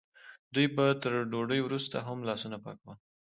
دوی به تر ډوډۍ وروسته هم لاسونه پاکول.